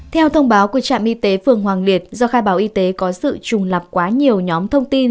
theo thông báo của trạm y tế phường hoàng liệt do khai báo y tế có sự trùng lập quá nhiều nhóm thông tin